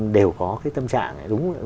đều có cái tâm trạng